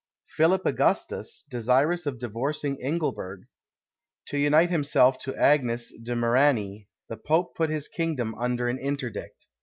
Philip Augustus, desirous of divorcing Ingelburg, to unite himself to Agnes de Meranie, the Pope put his kingdom under an interdict.